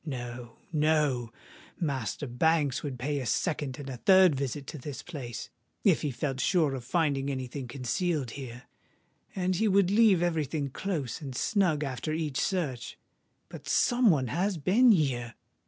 No—no: Master Banks would pay a second and a third visit to this place, if he felt sure of finding any thing concealed here; and he would leave every thing close and snug after each search. But some one has been here!